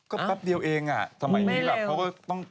ก็แป๊บเดียวเองอ่ะสมัยนี้แบบเขาก็ต้อง